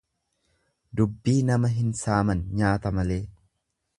Dubbii nama hin saaman nyaata malee.